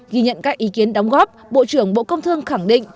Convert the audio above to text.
ghi nhận các ý kiến đóng góp bộ trưởng bộ công thương khẳng định